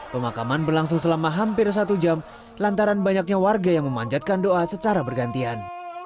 pemakaman berlangsung selama hampir satu jam lantaran banyaknya warga yang memanjatkan doa secara bergantian